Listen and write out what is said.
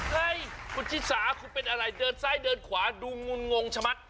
เฮ้ยคุณชิสาคุณเป็นอะไรเดินซ้ายเดินขวาดูงุนงงชะมัด